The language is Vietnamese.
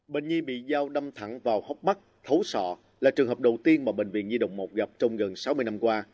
bệnh nhi bị giao đâm thẳng vào hốc mắt thấu sọ là trường hợp đầu tiên mà bệnh viện nhi đồng một gặp trong gần sáu mươi năm qua